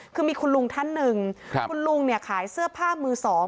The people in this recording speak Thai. คือมีคุณลุงท่านหนึ่งคุณลุงเนี่ยขายเสื้อผ้ามือสอง